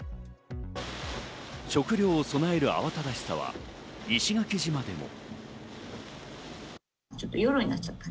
食料を備える慌しさは石垣島でも。